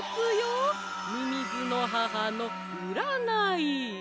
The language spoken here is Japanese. みみずの母のうらない！